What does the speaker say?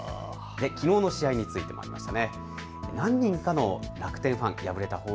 きのうの試合についてもありました。